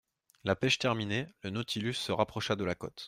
La pêche terminée, le Nautilus se rapprocha de la côte.